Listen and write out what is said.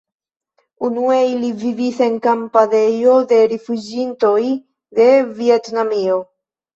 Unue ili vivis en kampadejo de rifuĝintoj de Vjetnamio.